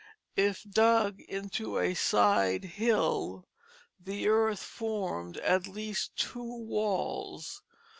If dug into a side hill, the earth formed at least two walls.